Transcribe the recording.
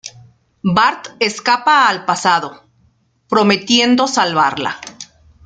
Bart escapa al pasado, prometiendo salvarla.